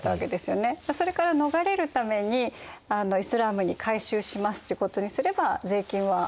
それから逃れるためにイスラームに改宗しますっていうことにすれば税金は？